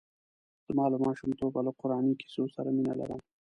زه له ماشومتوبه له قراني کیسو سره مینه لرم.